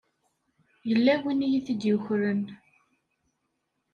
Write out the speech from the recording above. Yella win i yi-t-yukren.